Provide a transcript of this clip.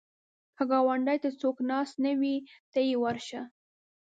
که ګاونډي ته څوک ناست نه وي، ته یې ورشه